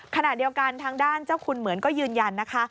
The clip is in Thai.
ขณะเดียวกันทางด้านเจ้าคุณเหมือนก็ยืนยันนะคะ